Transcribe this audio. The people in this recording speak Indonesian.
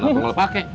enggak boleh pake